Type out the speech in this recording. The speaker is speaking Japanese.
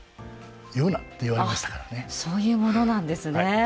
あっそういうものなんですね。